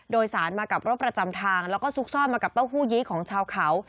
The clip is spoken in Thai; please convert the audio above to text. โดยสารมากับรถประจำทางแล้วก็ซุกซ่อนมากับเต้าหู้ยี้ของชาวเขา